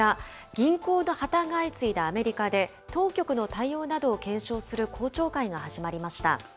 銀行の破綻が相次いだアメリカで、当局の対応などを検証する公聴会が始まりました。